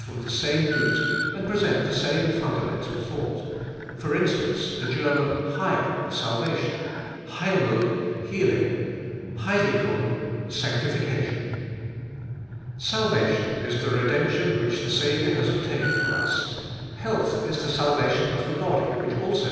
I from the same nwi and present the same fiiiuhinionbil ihonglil. (For instance, the German Hell, Balvatkra; Eleilmig, healing; Heiliqang, sanctifica liou). Salvation is the redemption which the Saviour liaa obtained for us, health is the salvation of the body which also e.